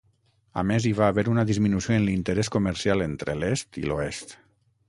A més, hi va haver una disminució en l'interès comercial entre l'est i l'oest.